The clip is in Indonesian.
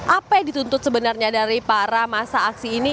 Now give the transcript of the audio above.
apa yang dituntut sebenarnya dari para masa aksi ini